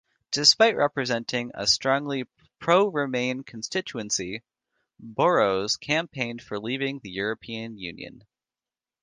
Despite representing a strongly pro-Remain constituency, Burrowes campaigned for leaving the European Union.